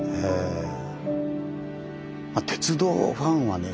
鉄道ファンはね